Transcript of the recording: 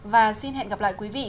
và xin hẹn gặp lại quý vị